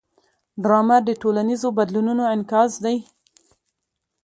ډرامه د ټولنیزو بدلونونو انعکاس دی